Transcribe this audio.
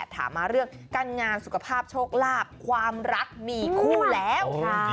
ถามมาเรื่องการงานสุขภาพโชคลาภความรักมีคู่แล้ว